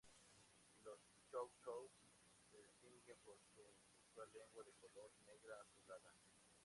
Los chow chow se distinguen por su inusual lengua de color negra-azulada.